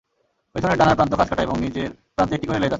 পেছনের ডানার প্রান্ত খাঁজকাটা এবং নিচের প্রান্তে একটি করে লেজ আছে।